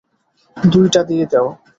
দুইটা দিয়ে দেও।